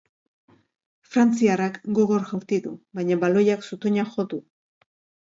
Frantziarrak gogor jaurti du, baina baloiak zutoina jo du.